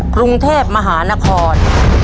กรุงเทพมหานคร